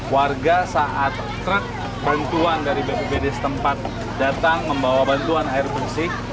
warga saat truk bantuan dari bpbd setempat datang membawa bantuan air bersih